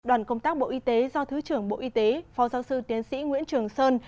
đoàn công tác bộ y tế do thứ trưởng bộ y tế phó giáo sư tiến sĩ nguyễn trường sơn